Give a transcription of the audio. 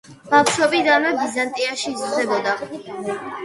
ბავშვობიდანვე ბიზანტიაში იზრდებოდა.